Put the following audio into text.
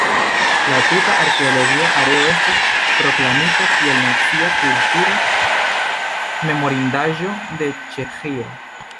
La tuta arkeologia areo estas proklamita kiel Nacia kultura memorindaĵo de Ĉeĥio.